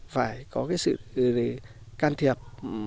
phải có cái sự can thiệp